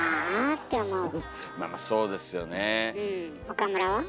岡村は？